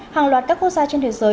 hàng loạt các quốc gia trên thế giới